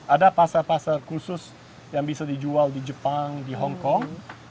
ada pasar pasar khusus yang bisa dijual di jepang di hongkong